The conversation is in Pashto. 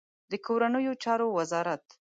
د کورنیو چارو وزارت